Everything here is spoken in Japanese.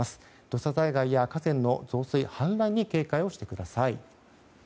土砂災害や河川の増水・氾濫に警戒をしてください。